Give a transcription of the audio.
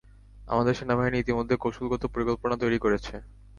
আমাদের সেনাবাহিনী ইতিমধ্যে কৌশলগত পরিকল্পনা তৈরি করেছে।